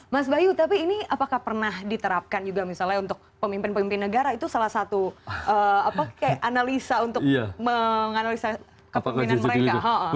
mas bayu tapi ini apakah pernah diterapkan juga misalnya untuk pemimpin pemimpin negara itu salah satu analisa untuk menganalisa kepemimpinan mereka